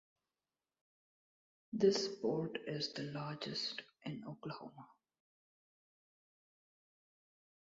This port is the largest in Oklahoma.